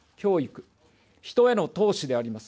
人への投資であります。